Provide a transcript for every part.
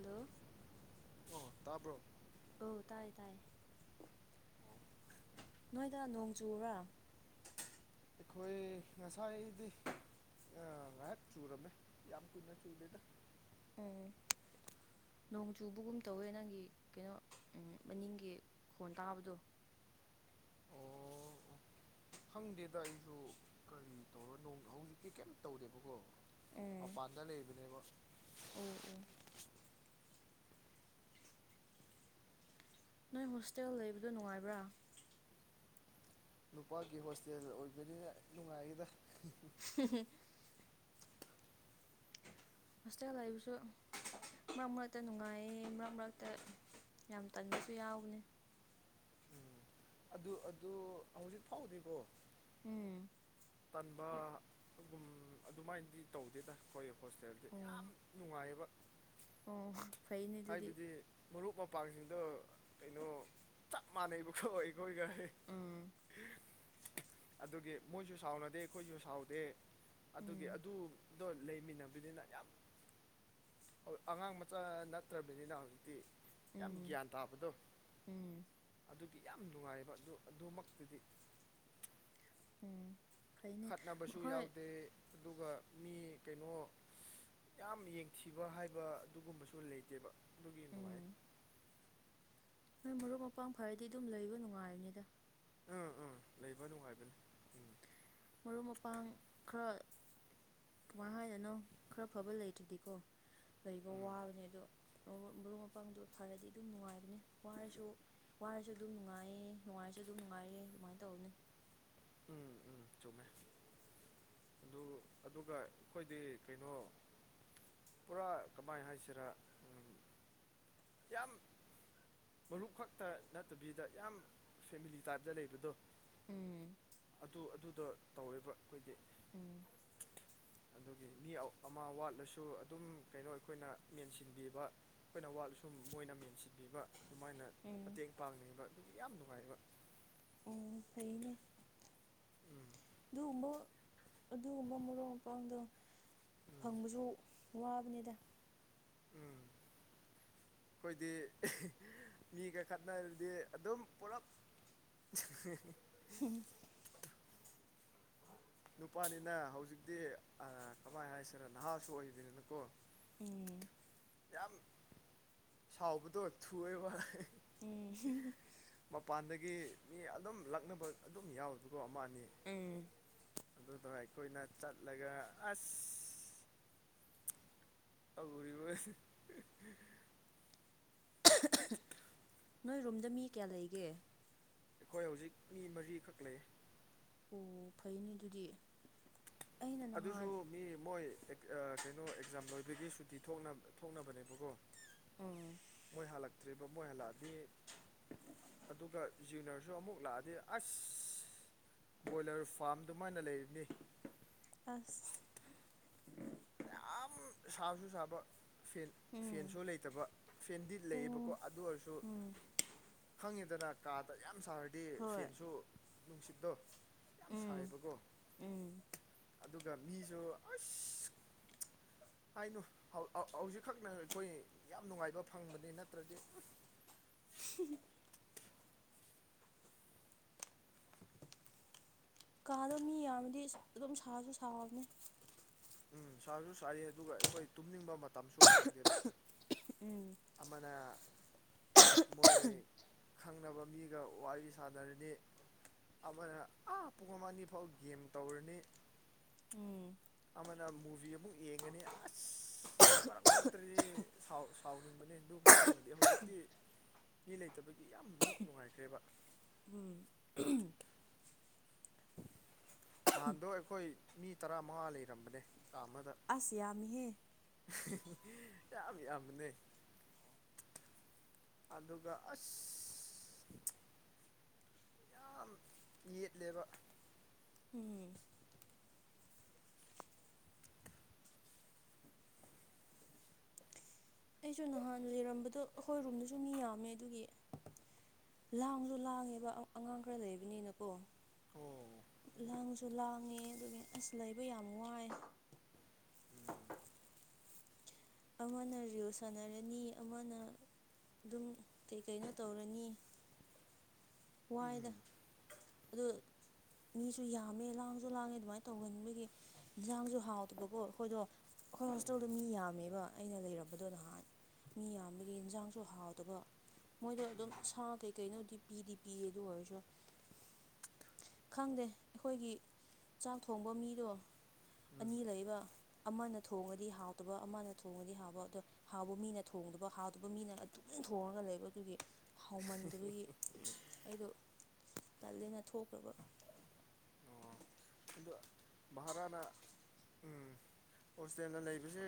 hello ꯑꯣ ꯇꯥꯕ꯭ꯔꯣ hello ꯇꯥꯏꯌꯦ ꯇꯥꯏꯌꯦ ꯅꯣꯏꯗ ꯅꯣꯡ ꯆꯨꯕ꯭ꯔꯥ ꯑꯩꯈꯣꯏ ꯉꯁꯥꯏꯗꯤ ꯑꯥ ꯉꯩꯍꯥꯛ ꯆꯨꯔꯝꯃꯦ ꯌꯥꯝ ꯀꯨꯏꯅ ꯆꯨꯗꯦꯗ ꯎꯝ ꯅꯣꯡ ꯆꯨꯕꯒꯨꯝ ꯇꯧꯋꯦ ꯅꯪꯒꯤ ꯀꯩꯅꯣ ꯎꯝ ꯃꯅꯤꯡꯒꯤ ꯃꯈꯣꯟ ꯇꯥꯕꯗꯣ [inaudible] ꯈꯪꯗꯦꯗ ꯑꯩꯖꯨ ꯀꯔꯤ ꯇꯧꯔꯗꯧ ꯍꯧꯖꯤꯛꯇꯤ ꯀꯌꯤꯝ ꯇꯧꯗꯦꯕꯀꯣ ꯎꯝ ꯃꯄꯥꯟꯗ ꯂꯩꯕꯅꯦꯕ ꯑꯣ ꯑꯣ ꯅꯣꯏ ꯍꯣꯁꯇꯦꯜ ꯂꯩꯕꯗꯣ ꯅꯨꯡꯉꯥꯏꯕ꯭ꯔꯥ ꯅꯨꯄꯥꯒꯤ ꯍꯣꯁꯇꯦꯜ ꯑꯣꯏꯕꯅꯤꯅ ꯅꯨꯡꯉꯥꯏꯗ ꯍꯨꯝ ꯍꯨꯝ ꯍꯣꯁꯇꯦꯜ ꯂꯩꯕꯖꯨ ꯃꯔꯛ ꯃꯔꯛꯇ ꯅꯨꯡꯉꯥꯏꯌꯦ ꯃꯔꯛ ꯃꯔꯛꯇ ꯌꯥꯝ ꯇꯟꯕꯖꯨ ꯌꯥꯎꯕꯅꯦ ꯑꯗꯨ ꯑꯗꯨ ꯍꯧꯖꯤꯛ ꯐꯥꯎꯗꯤꯀꯣ ꯎꯝ ꯇꯟꯕ ꯒꯨꯝ ꯑꯗꯨꯃꯥꯏꯅꯗꯤ ꯇꯧꯗꯦꯗꯥ ꯑꯩꯈꯣꯏ ꯍꯣꯁꯇꯦꯜꯗꯤ ꯎꯝ ꯌꯥꯝ ꯅꯨꯡꯉꯥꯏꯌꯦꯕ ꯑꯣ ꯐꯩꯅꯦ ꯑꯗꯨꯗꯤ ꯍꯥꯏꯕꯗꯤ ꯃꯔꯨꯞ ꯃꯄꯥꯡꯖꯤꯡꯗꯣ ꯀꯩꯅꯣ ꯆꯞ ꯃꯥꯟꯅꯩꯕ ꯈꯣ ꯑꯩꯈꯣꯏꯒ ꯍꯦ ꯎꯝ ꯑꯗꯨꯒꯤ ꯃꯣꯏꯖꯨ ꯁꯥꯎꯅꯗꯦ ꯑꯈꯣꯏꯖꯨ ꯁꯥꯎꯗꯦ ꯑꯗꯨꯒꯤ ꯎꯝ ꯑꯗꯨ ꯑꯗꯣ ꯂꯩꯃꯤꯟꯅꯕꯅꯤꯅ ꯌꯥꯝ ꯍꯣꯏ ꯑꯉꯥꯡ ꯃꯆꯥ ꯅꯠꯇ꯭ꯔꯕꯅꯤꯅ ꯍꯧꯖꯤꯛꯇꯤ ꯌꯥꯝ ꯎꯝ ꯒ꯭ꯌꯥꯟ ꯇꯥꯕꯗꯣ ꯎꯝ ꯑꯗꯨꯒꯤ ꯌꯥꯝ ꯅꯨꯡꯉꯥꯏꯕ ꯑꯗꯨ ꯑꯗꯨꯃꯛꯇꯨꯗꯤ ꯎꯝ ꯐꯩꯅꯦ ꯈꯠꯅꯕꯁꯨ ꯍꯣꯏ ꯌꯥꯎꯗꯦ ꯑꯗꯨꯒ ꯃꯤ ꯀꯩꯅꯣ ꯌꯥꯝ ꯌꯦꯡꯊꯤꯕ ꯍꯥꯏꯕ ꯑꯗꯨꯒꯨꯝꯕꯖꯨ ꯂꯩꯇꯦꯕ ꯑꯗꯨꯒꯤ ꯅꯨꯡꯉꯥꯏ ꯎꯝ ꯍꯣꯏ ꯃꯔꯨꯞ ꯃꯄꯥꯡ ꯐꯔꯗꯤ ꯑꯗꯨꯝ ꯂꯩꯕ ꯅꯨꯡꯉꯥꯏꯕꯅꯤꯗ ꯑꯥ ꯑꯥ ꯂꯩꯕ ꯅꯨꯡꯉꯥꯏꯕꯅꯤ ꯎꯝ ꯃꯔꯨꯞ ꯃꯄꯥꯡ ꯈꯔ ꯀꯃꯥꯏ ꯍꯥꯏꯗꯨꯏꯅꯣ ꯈꯔ ꯐꯕ ꯂꯩꯇ꯭ꯔꯗꯤꯀꯣ ꯂꯩꯕ ꯎꯝ ꯋꯥꯕꯅꯦ ꯑꯗꯣ ꯑꯣ ꯃꯔꯨꯞ ꯃꯄꯥꯡꯗꯣ ꯐꯔꯗꯤ ꯑꯗꯨꯝ ꯅꯨꯡꯉꯥꯏꯕꯅꯦ ꯋꯥꯔꯖꯨ ꯋꯥꯔꯖꯨ ꯑꯗꯨꯝ ꯅꯨꯡꯉꯥꯏꯌꯦ ꯅꯨꯡꯉꯥꯏꯔꯖꯨ ꯑꯗꯨꯝ ꯅꯨꯡꯉꯥꯏꯔꯦ ꯑꯗꯨꯃꯥꯏꯟ ꯇꯕꯅꯤ ꯎꯝ ꯎꯝ ꯆꯨꯝꯃꯦ [inaudible] ꯑꯗꯨ ꯑꯗꯨꯒ ꯑꯩꯈꯣꯏꯗꯤ ꯀꯩꯅꯣ ꯄꯨꯔꯥ ꯀꯃꯥꯏ ꯍꯥꯏꯁꯤꯔꯥ ꯎꯝ ꯌꯥꯝ ꯃꯔꯨꯞ ꯈꯛꯇ ꯅꯠꯇꯕꯤꯗ ꯌꯥꯝ ꯐꯦꯃꯤꯂꯤ ꯇꯥꯏꯞꯇ ꯂꯩꯕꯗꯣ ꯎꯝ ꯑꯗꯨ ꯑꯗꯨꯗꯣ ꯇꯧꯋꯦꯕ ꯑꯈꯣꯏꯗꯤ ꯎꯝ [unintelligible] ꯑꯗꯨꯒꯤ ꯃꯤ ꯑꯃ ꯋꯥꯠꯂꯁꯨ ꯑꯗꯨꯝ ꯀꯩꯅꯣ ꯑꯩꯈꯣꯏꯅ ꯃꯦꯟꯁꯤꯟꯕꯤꯕ ꯑꯈꯣꯏꯅ ꯋꯥꯠꯂꯁꯨ ꯃꯣꯏꯅ ꯃꯦꯟꯁꯤꯟꯕꯤꯕ ꯑꯗꯨꯃꯥꯏꯅ ꯎꯝ ꯃꯇꯦꯡ ꯄꯥꯡꯅꯩꯌꯦꯕ ꯑꯗꯨꯒꯤ ꯌꯥꯝ ꯅꯨꯡꯉꯥꯏꯕ ꯎꯝ ꯐꯩꯅꯦ ꯎꯝ ꯑꯗꯨꯒꯨꯝꯕ ꯑꯗꯨꯒꯨꯝꯕ ꯃꯔꯨꯞ ꯃꯄꯥꯡꯗꯣ ꯎꯝ ꯐꯪꯕꯖꯨ ꯋꯥꯕꯅꯤꯗ ꯈꯣꯏꯗꯤ [unintelligible] ꯃꯤꯒ ꯈꯠꯅꯔꯗꯤ ꯑꯗꯨꯝ ꯄꯨꯂꯞ [unintelligible] [unintelligible] ꯅꯨꯄꯥꯅꯤꯅ ꯍꯧꯖꯤꯛꯇꯤ ꯑ ꯀꯃꯥꯏ ꯍꯥꯏꯁꯤꯔ ꯅꯍꯥꯁꯨ ꯑꯣꯏꯕꯅꯤꯅꯀꯣ ꯎꯝ ꯌꯥꯝ ꯁꯥꯎꯕꯗꯣ ꯊꯨꯌꯦꯕ [unintelligible] ꯎꯝ [unintelligible] ꯃꯄꯥꯟꯗꯒꯤ ꯃꯤ ꯑꯗꯨꯝ ꯂꯛꯅꯕ ꯑꯗꯨꯝ ꯌꯥꯎꯏꯀꯣ ꯑꯃꯥ ꯑꯅꯤ ꯎꯝ ꯑꯗꯨꯗ ꯑꯩꯈꯣꯏꯅ ꯆꯠꯂꯒ ꯑꯁ ꯇꯧꯔꯤꯕꯅꯤ [unintelligible] ꯅꯣꯏ ꯔꯨꯝꯗ ꯃꯤ ꯀ꯭ꯌꯥ ꯂꯩꯒꯦ ꯑꯈꯣꯏ ꯍꯧꯖꯤꯛ ꯃꯤ ꯃꯔꯤꯈꯛ ꯂꯩꯌꯦ ꯑꯣ ꯐꯩꯅꯦ ꯗꯨꯗꯤ ꯑꯗꯨꯁꯨ ꯃꯤ ꯃꯣꯏ ꯑ ꯀꯩꯅꯣ ꯑꯦꯛꯖꯥꯝ ꯂꯣꯏꯕꯒꯤ ꯁꯨꯇꯤ ꯊꯣꯛꯅ ꯊꯣꯛꯅꯕꯅꯦꯕꯀꯣ ꯎꯝ ꯃꯣꯏ ꯍꯥꯜꯂꯛꯇ꯭ꯔꯤꯕ ꯃꯣꯏ ꯍꯜꯂꯑꯗꯤ ꯑꯗꯨꯒ ꯖꯤꯅꯔꯖꯨ ꯑꯃꯨꯛ ꯂꯥꯛꯑꯗꯤ ꯑꯁ ꯕꯣꯏꯂꯔ ꯐꯥꯔꯝ ꯗꯨꯃꯥꯏꯅ ꯂꯩꯔꯤꯅꯤ ꯑꯁ ꯌꯥꯝ ꯁꯥꯖꯨ ꯁꯥꯕ ꯐꯦꯟ ꯎꯝ ꯐꯦꯟꯁꯨ ꯂꯩꯇꯕ ꯐꯦꯟꯗꯤ ꯑꯣ ꯂꯩꯌꯦꯕꯀꯣ ꯑꯗꯨ ꯑꯣꯏꯔꯖꯨ ꯎꯝ ꯈꯪꯉꯦꯗꯅꯥ ꯀꯥꯗ ꯌꯥꯝ ꯁꯥꯔꯗꯤ ꯍꯣꯏ ꯐꯦꯟꯁꯨ ꯅꯨꯡꯁꯤꯠꯇꯣ ꯌꯥꯝ ꯎꯝ ꯁꯥꯏꯌꯦꯕꯀꯣ ꯎꯝ ꯑꯗꯨꯒ ꯃꯤꯖꯨ ꯑꯁ ꯍꯥꯏꯅꯨ ꯍꯧ ꯍꯧ ꯍꯧꯖꯤꯛꯈꯛꯅ ꯑꯈꯣꯏ ꯌꯥꯝ ꯅꯨꯡꯉꯥꯏꯕ ꯐꯪꯕꯅꯤ ꯅꯠꯇ꯭ꯔꯗꯤ ꯎꯝ [unintelligible] [unintelligible] ꯀꯥꯗꯣ ꯃꯤ ꯌꯥꯝꯃꯗꯤ ꯑꯗꯨꯝ ꯁꯥꯖꯨ ꯁꯥꯕꯅꯤ ꯎꯝ ꯁꯥꯖꯨ ꯁꯥꯏꯌꯦ ꯑꯗꯨꯒ ꯑꯩꯈꯣꯏ ꯇꯨꯝꯅꯤꯡꯕ ꯃꯇꯝꯁꯨ ꯐꯪꯗꯦꯕ [unintelligible] ꯎꯝ ꯑꯃꯅ ꯃꯣꯏ ꯈꯪꯅꯕ ꯃꯤꯒ ꯋꯥꯔꯤ ꯁꯥꯟꯅꯔꯅꯤ ꯑꯃꯅ ꯑꯥ ꯄꯨꯡ ꯑꯃ ꯑꯅꯤ ꯐꯥꯎ ꯒꯦꯝ ꯇꯧꯔꯅꯤ ꯎꯝ ꯑꯃꯅ ꯃꯨꯚꯤ ꯑꯃꯨꯛ ꯌꯦꯡꯉꯅꯤ ꯑꯁ ꯃꯔꯛ ꯃꯔꯛꯇꯗꯤ ꯁꯥꯎꯕꯁꯨ ꯁꯥꯎꯅꯤꯡꯕꯅꯤ ꯑꯗꯨ ꯃꯇꯥꯡꯗꯗꯤ ꯍꯧꯖꯤꯛꯇꯤ ꯃꯤ ꯂꯩꯇꯕꯒꯤ ꯌꯥꯝ ꯃꯨꯛ ꯅꯨꯡꯉꯥꯏꯈ꯭ꯔꯦꯕ [unintelligible] ꯅꯍꯥꯟꯗꯣ ꯑꯩꯈꯣꯏ ꯃꯤ ꯇꯔꯥꯃꯉꯥ ꯂꯩꯔꯝꯕꯅꯦ ꯀꯥ ꯑꯃꯗ ꯑꯁ ꯌꯥꯝꯃꯤꯍꯦ ꯍ ꯍ ꯌꯥꯝ ꯌꯥꯝꯕꯅꯦ ꯑꯗꯨꯒꯥ ꯑꯁ ꯌꯥꯝ ꯌꯦꯠꯂꯦꯕ ꯎꯝ ꯑꯩꯁꯨ ꯅꯍꯥꯟ ꯂꯤꯔꯝꯕꯗꯣ ꯑꯈꯣꯏ ꯔꯣꯝꯗꯨꯖꯨ ꯃꯤ ꯌꯥꯝꯃꯦ ꯑꯗꯨꯒꯤ ꯂꯥꯡꯖꯨ ꯂꯥꯡꯉꯦꯕ ꯑ ꯑꯉꯥꯡ ꯈꯔ ꯂꯩꯕꯅꯤꯅꯀꯣ ꯑꯣ ꯂꯥꯡꯖꯨ ꯂꯥꯡꯉꯦ ꯑꯗꯨꯒꯤ ꯑꯁ ꯂꯩꯕ ꯌꯥꯝ ꯋꯥꯏ ꯎꯝ ꯑꯃꯅ ꯔꯤꯜ ꯁꯥꯟꯅꯔꯅꯤ ꯑꯃꯅ ꯗꯨꯝ ꯀꯩ ꯀꯩꯅꯣ ꯇꯧꯔꯅꯤ ꯋꯥꯏꯗ ꯎꯝ ꯑꯗꯨ ꯃꯤꯁꯨ ꯌꯥꯝꯃꯦ ꯂꯥꯡꯖꯨ ꯂꯥꯡꯉꯦ ꯑꯗꯨꯃꯥꯏ ꯇꯧꯒꯟꯕꯒꯤ ꯏꯟꯖꯥꯡꯖꯨ ꯍꯥꯎꯇꯕꯒꯣ ꯑꯩꯈꯣꯏꯗꯣ ꯑꯩꯈꯣꯏ ꯎꯝ ꯍꯣꯁꯇꯦꯜꯗꯣ ꯃꯤ ꯌꯥꯝꯃꯦꯕ ꯑꯩꯅ ꯂꯩꯔꯝꯕꯗꯣ ꯅꯍꯥꯟ ꯃꯤ ꯌꯥꯝꯕꯒꯤ ꯌꯦꯟꯖꯥꯡꯁꯨ ꯍꯥꯎꯗꯕ ꯃꯣꯏꯗꯣ ꯑꯗꯨꯝ ꯎꯝ ꯁꯥ ꯀꯩꯀꯩꯅꯣꯗꯤ ꯄꯤꯗꯤ ꯄꯤꯌꯦꯗꯨ ꯑꯣꯢꯔꯁꯨ ꯈꯪꯗꯦ ꯑꯩꯈꯣꯏꯒꯤ ꯆꯥꯛ ꯊꯣꯡꯕ ꯃꯤꯗꯣ ꯎꯝ ꯑꯅꯤ ꯂꯩꯕ ꯑꯃꯅ ꯊꯣꯡꯉꯗꯤ ꯍꯥꯎꯇꯕ ꯑꯃꯅ ꯊꯣꯡꯉꯗꯤ ꯍꯥꯎꯕ ꯑꯗꯣ ꯍꯥꯎꯕ ꯃꯤꯅ ꯊꯣꯡꯗꯕ ꯍꯥꯥꯎꯇꯕ ꯃꯤꯅ ꯑꯗꯨꯝ ꯊꯣꯡꯔꯒ ꯂꯩꯕ ꯑꯗꯨꯒꯤ ꯍꯥꯎꯃꯟꯗꯕꯒꯤ ꯑꯩꯗꯣ ꯇꯜꯂꯦꯅ ꯊꯣꯛꯈ꯭ꯔꯕ ꯑꯣ ꯑꯗꯣ ꯃꯍꯔꯥꯅ ꯎꯝ ꯍꯣꯁꯇꯦꯜꯗ ꯂꯩꯕꯖꯦ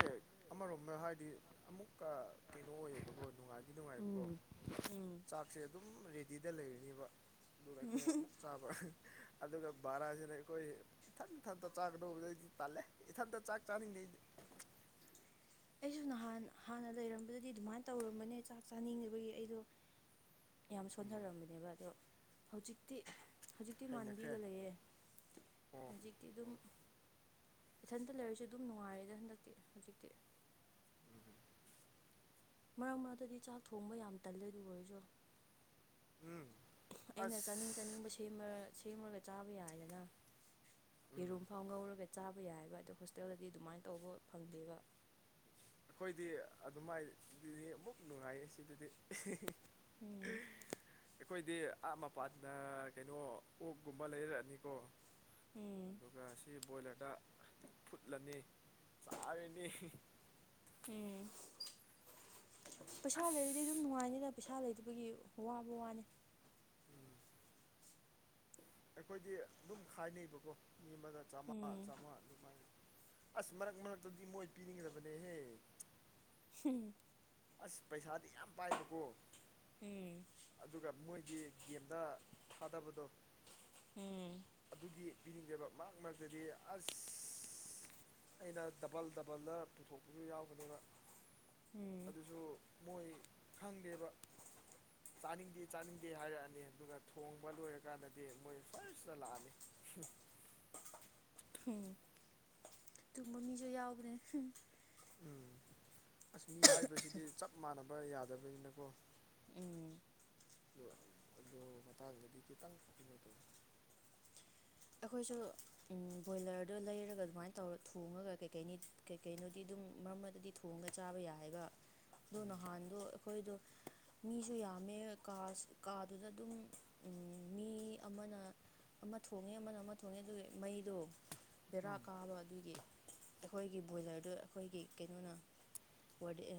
ꯑꯃꯔꯣꯝꯗ ꯍꯥꯏꯗꯤ ꯑꯃꯨꯛꯀ ꯀꯩꯅꯣ ꯑꯣꯏꯌꯦꯕꯀꯣ ꯅꯨꯡꯉꯥꯏꯗꯤ ꯅꯨꯡꯉꯥꯏꯕꯀꯣ ꯎꯝ ꯎꯝ ꯆꯥꯛꯁꯦ ꯑꯗꯨꯝ ꯔꯦꯗꯤꯗ ꯂꯩꯔꯅꯤꯕ ꯑꯗꯨꯒ ꯑꯩꯈꯣꯏ ꯎꯝ ꯑꯃꯨꯛ ꯆꯥꯕ ꯑꯗꯨꯒ ꯕꯔꯥꯖꯤꯅ ꯑꯩꯈꯣꯏ ꯏꯊꯟꯊꯟꯇ ꯆꯥꯒꯗꯧꯕ ꯑꯩꯗꯤ ꯇꯥꯜꯂꯦ ꯏꯊꯟꯇ ꯆꯥꯛ ꯆꯥꯅꯤꯡꯗꯦ ꯑꯩꯗꯤ ꯑꯩꯁꯨ ꯅꯍꯥꯟ ꯍꯥꯟꯅ ꯂꯩꯔꯝꯕꯗꯗꯤ ꯑꯗꯨꯃꯥꯏꯟ ꯇꯧꯔꯝꯕꯅꯦ ꯆꯥꯛ ꯆꯥꯅꯤꯡꯗꯕꯒꯤ ꯑꯩꯗꯣ ꯌꯥꯝ ꯎꯝ ꯁꯣꯟꯊꯔꯝꯕꯅꯦꯕ ꯑꯗꯣ ꯍꯧꯖꯤꯛꯇꯤ ꯍꯧꯖꯤꯛꯇꯤ ꯍꯩꯅꯈ꯭ꯔꯦ ꯃꯥꯟꯕꯤꯒ ꯂꯩꯌꯦ ꯑꯣ ꯍꯧꯖꯤꯛ ꯇꯤꯑꯗꯨꯝ ꯑꯣ ꯏꯊꯟꯇ ꯂꯩꯔꯁꯨ ꯑꯗꯨꯝ ꯅꯨꯡꯉꯥꯏꯔꯦꯗ ꯍꯟꯗꯛꯇꯤ ꯍꯨꯖꯤꯛꯇꯤ ꯎꯝ ꯃꯔꯛ ꯃꯔꯛꯇꯗꯤ ꯆꯥꯛ ꯊꯣꯡꯕ ꯌꯥꯝ ꯇꯜꯂꯦ ꯑꯗꯨ ꯑꯣꯏꯔꯖꯨ ꯎꯝ ꯑꯩꯅ ꯆꯥꯅꯤꯡ ꯑꯁ ꯆꯥꯅꯤꯡꯕ ꯁꯦꯝꯔ ꯁꯦꯝꯔꯒ ꯆꯥꯕ ꯌꯥꯏꯗꯅ ꯎꯝ ꯌꯦꯔꯨꯝ ꯐꯥꯎ ꯉꯧꯔꯒ ꯆꯥꯕ ꯌꯥꯏꯌꯦꯕ ꯑꯗꯨ ꯍꯣꯁꯇꯦꯜꯗꯗꯤ ꯑꯗꯨꯃꯥꯏꯅ ꯇꯧꯕ ꯐꯪꯗꯦꯕ ꯈꯣꯏꯗꯤ ꯑꯗꯨꯃꯥꯏ ꯗꯨꯗꯤ ꯑꯃꯨꯛ ꯅꯨꯡꯉꯥꯏꯌꯦ ꯁꯤꯗꯗꯤ [inaudible] ꯎꯝ ꯑꯩꯈꯣꯏꯗꯤ ꯑꯥ ꯃꯄꯥꯟꯅ ꯀꯩꯅꯣ ꯑꯣꯛꯒꯨꯝꯕ ꯂꯩꯔꯛꯑꯅꯤꯒꯣ ꯎꯝ ꯗꯨꯒ ꯁꯤ ꯕꯣꯏꯂꯔꯗ ꯐꯨꯠꯂꯅꯤ ꯆꯥꯔꯤꯅꯤ ꯎꯝ ꯄꯩꯁꯥ ꯂꯩꯔꯗꯤ ꯗꯨꯝ ꯑꯁ ꯅꯨꯡꯉꯥꯏꯅꯤꯅ ꯄꯩꯁꯥ ꯂꯩꯇꯕꯒꯤ ꯋꯥꯕ ꯋꯥꯅꯤ ꯎꯝ ꯑꯩꯈꯣꯏꯗꯤ ꯗꯨꯝ ꯈꯥꯏꯅꯩꯕꯀꯣ ꯃꯤ ꯑꯃꯗ ꯆꯥꯝꯉꯥ ꯎꯝ ꯆꯥꯝꯉꯥ ꯑꯗꯨꯃꯥꯏꯅ ꯑꯁ ꯃꯔꯛ ꯃꯔꯛꯇꯗꯤ ꯃꯣꯏ ꯄꯤꯅꯤꯡꯗꯕꯅꯦꯍꯦ ꯍꯝ ꯑꯁ ꯄꯩꯁꯥꯗꯤ ꯌꯥꯝ ꯄꯥꯏꯕꯒꯣ ꯎꯝ ꯑꯗꯨꯒ ꯃꯣꯏꯗꯤ ꯒꯦꯝꯗ ꯊꯥꯗꯕꯗꯣ ꯎꯝ ꯒꯤ ꯄꯤꯅꯤꯡꯗꯦꯕ ꯃꯔꯛ ꯃꯔꯛꯇꯗꯤ ꯑꯁ ꯑꯩꯅ ꯗꯕꯜ ꯗꯕꯜꯗ ꯄꯨꯊꯣꯛꯄꯖꯨ ꯌꯥꯎꯕꯅꯦꯕ ꯎꯝ ꯑꯗꯨꯁꯨ ꯃꯣꯏ ꯈꯪꯗꯦꯕ ꯆꯥꯅꯤꯡꯗꯦ ꯆꯥꯅꯤꯡꯗꯦ ꯍꯥꯏꯔꯛꯑꯅꯤ ꯑꯗꯨꯒ ꯊꯣꯡꯕ ꯂꯣꯏꯔꯀꯥꯟꯗꯗꯤ ꯃꯣꯏ ꯐꯥꯔꯁ ꯇ ꯂꯥꯛꯑꯅꯤ ꯎꯝ ꯑꯗꯨꯨꯝꯕ ꯃꯤꯁꯨ ꯌꯥꯎꯕꯅꯦ ꯎꯝ ꯑꯁ ꯃꯤ ꯍꯥꯏꯕꯁꯤꯗꯤ ꯆꯞ ꯃꯥꯟꯅꯕ ꯌꯥꯗꯕꯅꯤꯅꯀꯣ ꯎꯪ ꯗꯨ ꯑꯗꯨ ꯃꯇꯥꯡꯗꯗꯤ ꯈꯤꯇꯪ ꯀꯩꯅꯣ ꯇꯧ ꯑꯩꯈꯣꯏꯁꯨ ꯎꯝ ꯕꯣꯏꯂꯔꯗꯣ ꯂꯩꯔꯒ ꯑꯗꯨꯃꯥꯏꯅ ꯇꯧꯔ ꯊꯣꯡꯉꯒ ꯀꯩꯀꯩꯅꯤ ꯀꯩꯀꯩꯅꯣꯗꯤ ꯑꯗꯨꯝ ꯃꯔꯛ ꯃꯔꯛꯇꯗꯤ ꯊꯣꯡꯒ ꯆꯥꯕ ꯌꯥꯏ ꯍꯥꯏꯒ ꯑꯗꯣ ꯎꯝ ꯅꯍꯥꯟꯗꯣ ꯑꯩꯈꯣꯏꯗꯣ ꯃꯤꯁꯨ ꯌꯥꯝꯃꯦ ꯀꯥꯁ ꯀꯥꯗꯨꯗ ꯑꯗꯨꯝ ꯎꯝ ꯃꯤ ꯑꯃꯅ ꯑꯃ ꯊꯣꯡꯉꯦ ꯑꯃꯅ ꯑꯃ ꯊꯣꯡꯉꯦ ꯑꯗꯨꯒꯤ ꯃꯩꯗꯣ ꯕꯦꯔꯥ ꯎꯝ ꯀꯥꯕ ꯑꯗꯨꯒꯤ ꯑꯈꯣꯏꯒꯤ ꯕꯣꯏꯂꯔꯗꯨ ꯑꯩꯈꯣꯏꯒꯤ ꯀꯩꯅꯣꯅ ꯋꯥꯔꯗꯦ ꯑ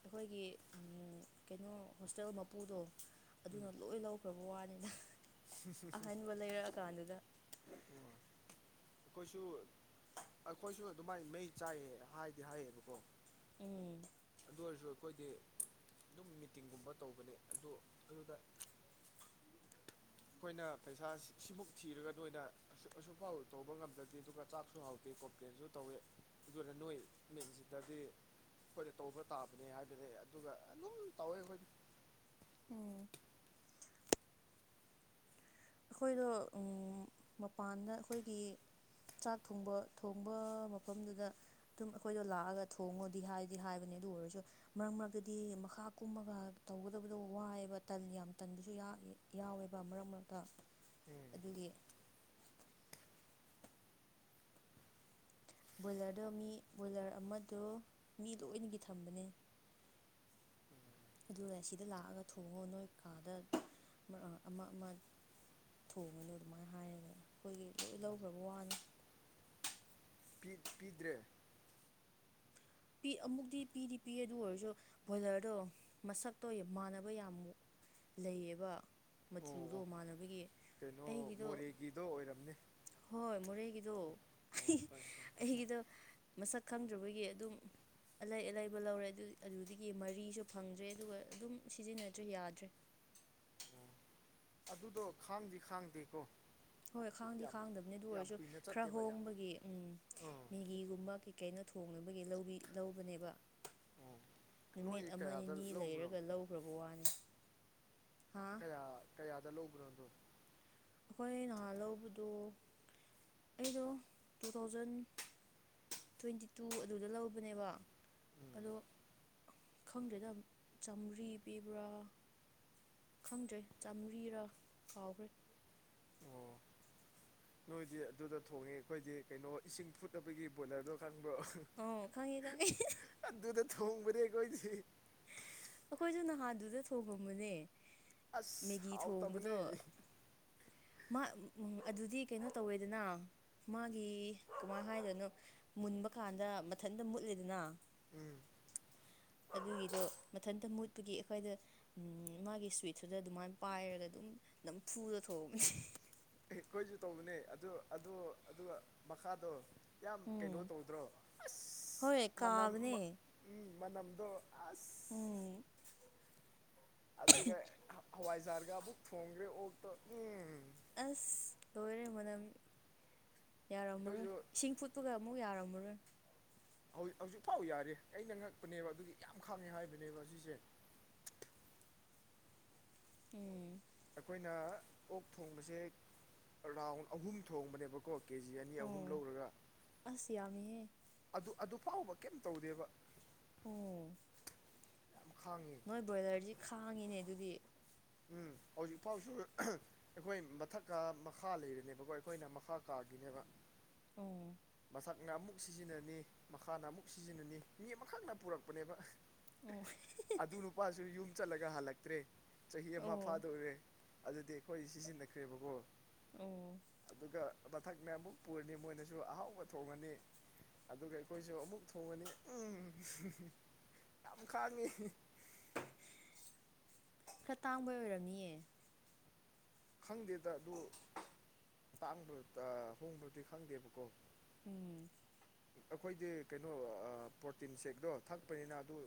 ꯑꯩꯈꯣꯏꯒꯤ ꯎꯝ ꯀꯩꯅꯣ ꯍꯣꯁꯇꯦꯜ ꯃꯄꯨꯗꯣ ꯑꯗꯨꯅ ꯎꯝ ꯂꯣꯏ ꯂꯧꯈ꯭ꯔꯕ ꯋꯥꯅꯤꯗ [unintelligible] ꯑꯍꯟꯕ ꯂꯩꯔꯛꯑ ꯀꯥꯟꯗꯨꯗ ꯈꯣꯏꯁꯨ ꯑꯩꯈꯣꯏꯁꯨ ꯑꯗꯨꯃꯥꯏꯅ ꯃꯩ ꯆꯥꯏꯌꯦ ꯍꯥꯏꯗꯤ ꯍꯥꯏꯌꯦꯕꯀꯣ ꯎꯝ ꯗꯨ ꯑꯣꯏꯔꯁꯨ ꯑꯩꯈꯣꯏꯗꯤ ꯑꯗꯨꯝ ꯃꯤꯇꯤꯡꯒꯨꯝꯕ ꯇꯧꯕꯅꯤ ꯑꯗꯨ ꯑꯗꯨꯗ ꯑꯩꯈꯣꯏꯅ ꯄꯩꯁꯥ ꯁꯤ ꯁꯤꯃꯨꯛ ꯊꯤꯔꯒ ꯅꯣꯏꯗ ꯑꯁꯨꯛ ꯑꯁꯨꯛ ꯐꯥꯎ ꯇꯧꯕ ꯉꯝꯗ꯭ꯔꯗꯤ ꯑꯗꯨꯒ ꯆꯥꯛꯁꯨ ꯍꯥꯎꯇꯦ ꯀꯣꯝꯄ꯭ꯂꯦꯟꯁꯨ ꯇꯧꯋꯦ ꯑꯗꯨꯅ ꯅꯣꯏ ꯃꯦꯟ ꯁꯤꯗꯗꯤ ꯑꯩꯈꯣꯏꯅ ꯇꯧꯕ ꯇꯥꯕꯅꯦ ꯍꯥꯏꯕꯅꯦ ꯑꯗꯨꯒ ꯑꯗꯨꯝ ꯇꯧꯋꯦ ꯑꯩꯈꯣꯏꯗꯤ ꯑꯩꯈꯣꯏꯗꯣ ꯎꯝ ꯃꯄꯥꯟꯗ ꯑꯈꯣꯏꯒꯤ ꯆꯥꯛ ꯊꯣꯡꯕ ꯊꯣꯡꯕ ꯃꯐꯝꯗꯨꯗ ꯑꯗꯨꯝ ꯑꯩꯈꯣꯏꯗꯣ ꯂꯥꯛꯑꯒ ꯊꯣꯡꯉꯣꯗꯤ ꯍꯥꯏꯗꯤ ꯍꯥꯏꯕꯅꯦ ꯑꯗꯨ ꯑꯣꯏꯔꯁꯨ ꯃꯔꯛ ꯃꯔꯛꯇꯗꯤ ꯃꯈꯥ ꯀꯨꯝꯃꯒ ꯇꯧꯒꯗꯕꯗꯣ ꯋꯥꯏꯌꯦꯕ ꯇꯟ ꯌꯥꯝ ꯇꯟꯕꯁꯨ ꯌꯥ ꯏ ꯌꯥꯎꯋꯦꯕ ꯃꯔꯛ ꯃꯔꯛꯇ ꯎꯝ ꯑꯗꯨꯒꯤ ꯕꯣꯏꯂꯔꯗꯣ ꯃꯤ ꯕꯣꯏꯂꯔ ꯑꯃꯗꯣ ꯃꯤ ꯂꯣꯏꯅꯒꯤ ꯊꯝꯕꯅꯦ ꯑꯗꯨꯒ ꯁꯤꯗ ꯂꯥꯛꯑꯒ ꯊꯣꯡꯉꯣ ꯅꯣꯏ ꯀꯥꯗ ꯃꯔ ꯑ ꯑꯃ ꯑꯃ ꯊꯣꯡꯉꯅꯨ ꯑꯗꯨꯃꯥꯏ ꯍꯥꯏꯔꯒ ꯑꯩꯈꯣꯏꯒꯤ ꯂꯣꯏ ꯂꯧꯈ꯭ꯔꯕ ꯋꯥꯅꯤ ꯄꯤ ꯄꯤꯗ꯭ꯔꯦ ꯄꯤ ꯑꯃꯨꯛꯇꯤ ꯄꯤꯗꯤ ꯄꯤꯌꯦ ꯑꯗꯨ ꯑꯣꯏꯔꯁꯨ ꯕꯣꯏꯂꯔꯗꯣ ꯃꯁꯛꯇꯣ ꯃꯥꯟꯅꯕ ꯌꯥꯝ ꯂꯩꯌꯦꯕ ꯑꯣ ꯃꯆꯨꯗꯣ ꯑꯣ ꯃꯥꯟꯅꯕꯒꯤ ꯀꯩꯅꯣ ꯑꯩꯒꯤꯗꯣ ꯃꯣꯔꯦꯒꯤꯗꯣ ꯑꯣꯏꯔꯝꯅꯤ ꯍꯣꯏ ꯃꯣꯔꯦꯒꯤꯗꯣ ꯑꯣ ꯍꯣꯏ ꯍꯣꯏ ꯑꯩꯒꯤꯗꯣ ꯃꯁꯛ ꯈꯪꯗ꯭ꯔꯕꯒꯤ ꯑꯗꯨꯝ ꯑꯂꯩ ꯑꯂꯩꯕ ꯂꯧꯔꯦ ꯑꯗꯨ ꯑꯗꯨꯗꯒꯤ ꯃꯔꯤꯁꯨ ꯐꯪꯗ꯭ꯔꯦ ꯑꯗꯨꯒ ꯑꯗꯨꯝ ꯁꯤꯖꯤꯟꯅꯗ꯭ꯔꯦ ꯌꯥꯗ꯭ꯔꯦ ꯑꯗꯨꯗꯣ ꯈꯥꯡꯗꯤ ꯈꯥꯡꯗꯦꯀꯣ ꯍꯣꯏ ꯈꯥꯡꯗꯤ ꯌꯥꯝ ꯈꯥꯡꯗꯕꯅꯦ ꯑꯗꯨ ꯌꯥꯝ ꯑꯣꯏꯔꯁꯨ ꯀꯨꯏꯅ ꯈꯔ ꯆꯠꯇꯦꯕ ꯌꯥꯝ ꯍꯣꯡꯕꯒꯤ ꯎꯝ ꯑꯥ ꯃꯦꯒꯤꯒꯨꯝꯕꯒꯤ ꯀꯩꯅꯣ ꯊꯣꯡꯅꯕꯒꯤ ꯂꯧꯕꯤ ꯂꯧꯕꯅꯦꯕ ꯑꯣ ꯅꯨꯃꯤꯠ ꯅꯣꯏ ꯑꯃ ꯀꯌꯥꯗ ꯅꯤꯅꯤ ꯂꯧꯕꯅꯣ ꯂꯩꯔꯒ ꯂꯧꯈ꯭ꯔꯕ ꯋꯥꯅꯤ ꯀꯌꯥ ꯀꯌꯥꯗ ꯂꯧꯕꯅꯣ ꯑꯗꯣ ꯑꯩꯈꯣꯏ ꯅꯍꯥꯟ ꯂꯧꯕꯗꯣ ꯑꯩꯗꯣ ꯇꯨ ꯊꯥꯎꯖꯟ ꯇ꯭ꯋꯦꯟꯇꯤ ꯇꯨ ꯑꯗꯨꯗ ꯂꯧꯕꯅꯦꯕ ꯎꯝ ꯑꯗꯣ ꯈꯪꯗ꯭ꯔꯦꯗ ꯑꯝꯞ ꯆꯥꯝꯃ꯭ꯔꯤ ꯄꯤꯕ꯭ꯔꯥ ꯈꯪꯗ꯭ꯔꯦ ꯆꯥꯃ꯭ꯔꯤꯔꯥ ꯀꯥꯎꯒ꯭ꯔꯦ ꯑꯣ ꯅꯣꯏꯗꯤ ꯑꯗꯨꯗ ꯊꯣꯡꯉꯦ ꯈꯣꯏꯗꯤ ꯀꯩꯅꯣ ꯏꯁꯤꯡ ꯐꯨꯠꯅꯕꯒꯤ ꯕꯣꯏꯂꯔꯗꯣ ꯈꯪꯕ꯭ꯔꯣ ꯑꯥ ꯈꯪꯉꯦ ꯈꯪꯉꯦ ꯑꯗꯨꯗ ꯊꯣꯡꯕꯗꯤ ꯑꯩꯈꯣꯏꯗꯤ ꯑꯈꯣꯏꯖꯨ ꯅꯍꯥꯟꯗꯨꯗ ꯊꯣꯡꯉꯝꯕꯅꯦ ꯑꯁ ꯃꯦꯒꯤ ꯍꯥꯎꯇꯕꯅꯦ ꯊꯣꯡꯕꯗꯣ ꯃ ꯎꯝ ꯑꯗꯨꯗꯤ ꯀꯩꯅꯣ ꯇꯧꯋꯦꯗꯅ ꯃꯥꯒꯤ ꯀꯃꯥꯏ ꯍꯥꯏꯗꯣꯏꯅꯣ ꯃꯨꯟꯕ ꯀꯥꯟꯗ ꯃꯊꯟꯇ ꯃꯨꯠꯂꯤꯗꯅ ꯎꯝ ꯑꯗꯨꯒꯤꯗꯣ ꯃꯊꯟꯇ ꯃꯨꯠꯄꯒꯤ ꯑꯦꯈꯣꯏꯗ ꯃꯥꯒꯤ ꯁ꯭ꯋꯤꯠꯇꯨꯗ ꯑꯗꯨꯃꯥꯏꯅ ꯄꯥꯏꯔꯒ ꯑꯗꯨꯝ ꯅꯝ ꯐꯨꯗ ꯊꯣꯡꯕꯅꯤ ꯑꯦꯈꯣꯏꯖꯨ ꯇꯧꯕꯅꯦ ꯑꯗꯨ ꯑꯗꯣ ꯑꯗꯨꯒ ꯃꯈꯥꯗꯣ ꯌꯥꯝ ꯀꯩꯅꯣ ꯎꯝ ꯇꯧꯗ꯭ꯔꯣ ꯑꯁ ꯍꯣꯏ ꯃꯅꯝ ꯃ ꯀꯥꯕꯅꯦ ꯎꯝ ꯃꯅꯝꯗꯣ ꯑꯁ ꯎꯝ ꯑꯗꯨꯒ ꯍ ꯍꯋꯥꯏꯖꯥꯔꯒ ꯑꯃꯨꯛ ꯊꯣꯡꯒ꯭ꯔꯦ ꯑꯣꯛꯇꯣ ꯎꯝ ꯑꯁ ꯂꯣꯏꯔꯦ ꯃꯅꯝ ꯌꯥꯔꯝꯃꯔꯣꯏ ꯑꯩꯈꯣꯏꯁꯨ ꯏꯁꯤꯡ ꯐꯨꯠ ꯄꯒ ꯑꯃꯨꯛ ꯌꯥꯔꯝꯃꯔꯣꯏ ꯍꯧ ꯍꯧꯖꯤꯛꯐꯥꯎ ꯌꯥꯔꯤ ꯑꯩꯅ ꯉꯛꯄꯅꯦꯕ ꯑꯗꯨꯒꯤ ꯌꯥꯝ ꯈꯥꯡꯉꯦ ꯍꯥꯏꯕꯅꯦꯕ ꯑꯁꯤꯖꯦ ꯎꯝ ꯑꯩꯈꯣꯏꯅ ꯑꯣꯛ ꯊꯣꯡꯕꯁꯦ ꯔꯥꯎꯟ ꯑꯍꯨꯝ ꯊꯣꯡꯕꯅꯦꯕꯀꯣ ꯀꯦꯖꯤ ꯑꯅꯤ ꯑꯍꯨꯝ ꯑꯣ ꯂꯧꯔꯒ ꯑꯁ ꯌꯥꯝꯃꯤꯍꯦ ꯑꯗꯨ ꯑꯗꯨꯐꯥꯎꯕ ꯀꯩꯝ ꯇꯧꯗꯦꯕ ꯎꯝ ꯈꯥꯡꯉꯦ ꯅꯣꯏ ꯕꯣꯏꯂꯔꯖꯤ ꯈꯥꯡꯉꯤꯅꯦ ꯑꯗꯨꯗꯤ ꯎꯝ ꯍꯧꯖꯤꯛ ꯐꯥꯎꯁꯨ ꯑꯩꯈꯣꯏ ꯃꯊꯛꯀꯥ ꯃꯈꯥ ꯂꯩꯔꯤꯅꯦꯕꯀꯣ ꯑꯩꯈꯣꯏꯅ ꯃꯈꯥ ꯀꯥꯒꯤꯅꯦꯕ ꯑꯣ ꯃꯊꯛꯅ ꯑꯃꯨꯛ ꯁꯤꯖꯤꯅꯅꯤ ꯃꯈꯥꯅ ꯑꯃꯨꯛ ꯁꯤꯖꯤꯅꯅꯤ ꯃꯤ ꯑꯃꯥꯈꯛꯅ ꯄꯨꯔꯛꯄꯅꯦꯕ ꯑꯣ ꯑꯗꯨ ꯅꯨꯄꯥꯁꯨ ꯌꯨꯝ ꯆꯠꯂꯒ ꯍꯜꯂꯛꯇ꯭ꯔꯦ ꯆꯍꯤ ꯑꯃꯥ ꯑꯣ ꯐꯥꯗꯣꯔꯦ ꯑꯗꯨꯗꯤ ꯑꯩꯈꯣꯏ ꯁꯤꯖꯤꯟꯅꯈ꯭ꯔꯦꯕꯀꯣ ꯑꯣ ꯑꯗꯨꯒ ꯃꯊꯛꯅ ꯑꯃꯨꯛ ꯄꯨꯔꯅꯤ ꯃꯣꯏꯅꯁꯨ ꯑꯍꯥꯎ ꯕ ꯊꯣꯡꯉꯅꯤ ꯑꯗꯨꯒ ꯑꯩꯈꯣꯏꯖꯨ ꯑꯃꯨꯛ ꯊꯣꯡꯉꯅꯤ ꯎꯝ ꯌꯥꯝ ꯈꯥꯡꯉꯤ ꯈꯔ ꯇꯥꯡꯕꯩ ꯑꯣꯏꯔꯝꯅꯤꯌꯦ ꯈꯪꯗꯦꯗ ꯑꯗꯨ ꯇꯥꯡꯕ꯭ꯔ ꯇꯥ ꯍꯣꯡꯕ꯭ꯔꯗꯤ ꯈꯪꯗꯦꯕꯀꯣ ꯎꯝ ꯑꯈꯣꯏꯗꯤ ꯀꯩꯅꯣ ꯑꯥ ꯄ꯭ꯔꯣꯇꯤꯟ ꯁꯦꯛꯇꯣ ꯊꯛꯄꯅꯤꯅ ꯑꯗꯨ